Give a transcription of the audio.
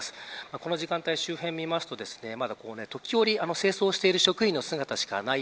この時間帯、周辺を見ますとまだ時折、清掃してる職員の姿しかありません。